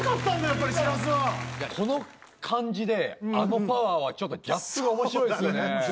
やっぱりしらすはこの感じであのパワーはちょっとギャップが面白いですね